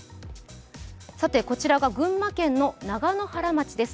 さてこちらが群馬県の長野原町です。